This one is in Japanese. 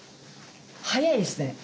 早いですね。